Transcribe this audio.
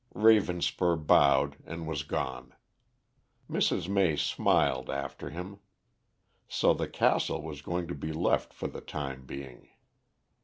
Ravenspur bowed and was gone. Mrs. May smiled after him. So the castle was going to be left for the time being.